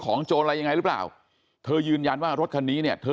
โจรอะไรยังไงหรือเปล่าเธอยืนยันว่ารถคันนี้เนี่ยเธอ